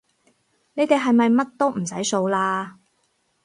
你哋係咪乜都唔使掃嘞